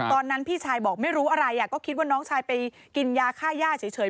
พี่ชายบอกไม่รู้อะไรก็คิดว่าน้องชายไปกินยาค่าย่าเฉย